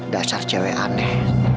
dasar cewek aneh